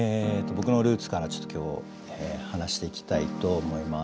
僕のルーツからちょっと今日話していきたいと思います。